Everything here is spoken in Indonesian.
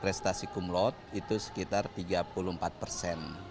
prestasi kumlot itu sekitar tiga puluh empat persen